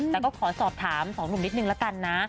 แต่ก็ขอสอบถามสองหนุ่มนิดนึงละกันนะ